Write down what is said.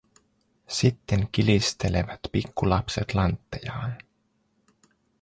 Sitten kilistelevät pikku lapset lanttejaan.